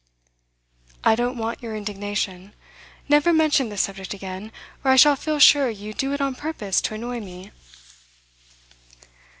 'I don't want your indignation. Never mention this subject again, or I shall feel sure you do it on purpose to annoy me.